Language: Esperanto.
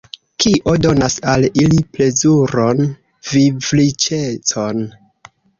Kio donas al ili plezuron, vivriĉecon?